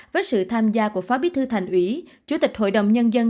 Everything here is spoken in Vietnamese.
với sự tham gia của phó bí thư thành ủy chủ tịch hội đồng nhân dân